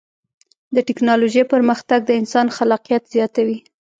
د ټکنالوجۍ پرمختګ د انسان خلاقیت زیاتوي.